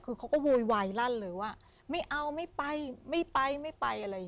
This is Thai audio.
คือเขาก็โวยวายลั่นเลยว่าไม่เอาไม่ไปไม่ไปไม่ไปอะไรอย่างนี้